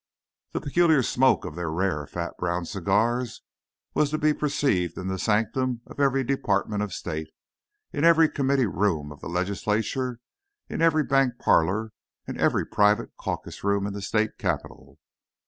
The peculiar smoke of their rare, fat brown cigars was to be perceived in the sanctum of every department of state, in every committee room of the Legislature, in every bank parlour and every private caucus room in the state Capital.